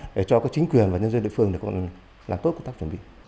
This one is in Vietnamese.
chúng tôi có chính quyền và nhân dân địa phương để làm tốt công tác chuẩn bị